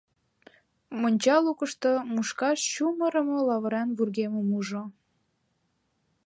Монча лукышто мушкаш чумырымо лавыран вургемым ужо.